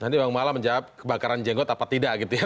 nanti bang mala menjawab kebakaran jenggot apa tidak gitu ya